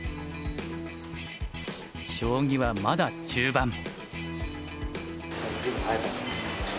将棋はまだ中盤。